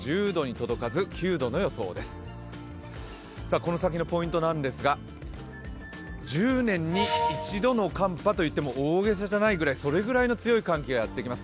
この先のポイントなんですが１０年に一度の寒波と言ってもいいぐらい、大げさじゃないぐらいの寒気がやってきます。